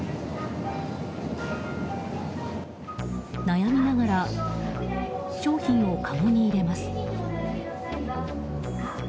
悩みながら商品をかごに入れます。